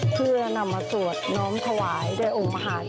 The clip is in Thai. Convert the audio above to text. เพื่อนำมาสวดน้อมถวายแด่องค์มหาด